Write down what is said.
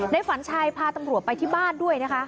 ฝันชัยพาตำรวจไปที่บ้านด้วยนะคะ